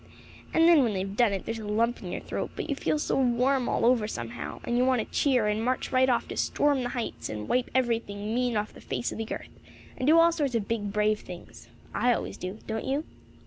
And then, when they've done it, there's a lump in your throat; but you feel so warm all over somehow, and you want to cheer, and march right off to 'storm the heights,' and wipe every thing mean off the face of the earth, and do all sorts of big, brave things. I always do. Don't you?"